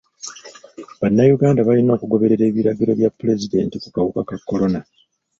Bannayuganda balina okugoberera ebiragiro bya pulezidenti ku kawuka ka kolona.